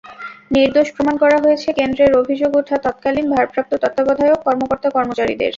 নির্দোষ প্রমাণ করা হয়েছে কেন্দ্রের অভিযোগ ওঠা তত্কালীন ভারপ্রাপ্ত তত্ত্বাবধায়কসহ কর্মকর্তা-কর্মচারীদের।